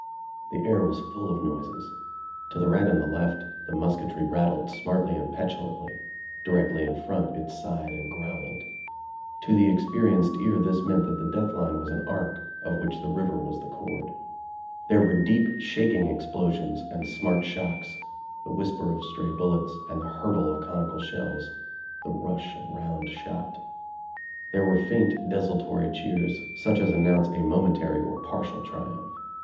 The air was full of noises. To the right and the left the musketry rattled smartly and petulantly; directly in front it sighed and growled. To the experienced ear this meant that the death line was an arc of which the river was the chord. There were deep, shaking explosions and smart shocks; the whisper of stray bullets and the hurtle of conical shells; the rush of round shot. There were faint, desultory cheers, such as announce a momentary or partial triumph.